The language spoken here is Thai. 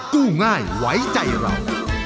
กู้ง่ายไว้ใจเรา